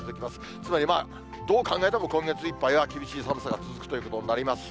つまりどう考えても、今月いっぱいは厳しい寒さが続くということになります。